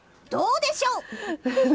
どうでしょう？